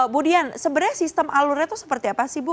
bu dian sebenarnya sistem alurnya itu seperti apa sih bu